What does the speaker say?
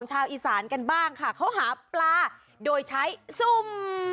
ชาวอีสานกันบ้างค่ะเขาหาปลาโดยใช้ซุ่ม